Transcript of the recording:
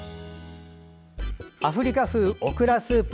アフリカ風オクラスープ